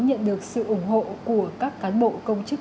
nhận được sự ủng hộ của các cán bộ công chức